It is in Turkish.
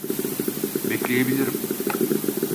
Bekleyebilirim.